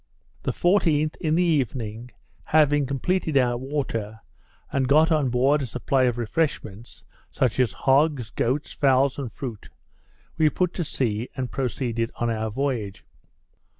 The 14th, in the evening, having completed our water, and got on board a supply of refreshments, such as hogs, goats, fowls, and fruit, we put to sea, and proceeded on our voyage.